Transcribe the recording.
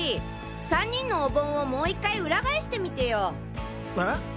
３人のお盆をもう１回ウラ返してみてよ！